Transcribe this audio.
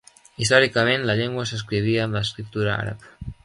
Històricament, la llengua s'escrivia amb l'escriptura àrab.